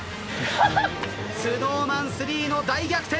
ＳｎｏｗＭａｎ３の大逆転。